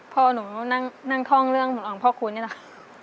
พ่อหนูนั่งท่องเรื่ององค์พ่อคุณนี่แหละ